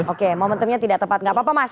oke momentumnya tidak tepat nggak apa apa mas